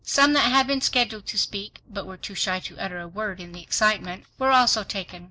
Some that had been scheduled to speak, but were too shy to utter a word in the excitement, were also taken.